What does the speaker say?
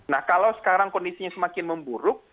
nah kalau sekarang kondisinya semakin memburuk